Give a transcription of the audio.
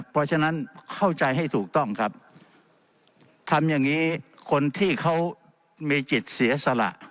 เพราะฉะนั้นเข้าใจให้ถูกต้องครับทำอย่างนี้คนที่เขามีจิตเสียสละ